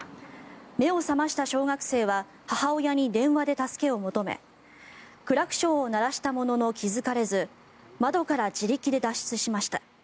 目を覚ました小学生は母親に電話で助けを求めクラクションを鳴らしたものの気付かれず窓から自力で脱出しました。